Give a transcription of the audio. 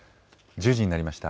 １０時になりました。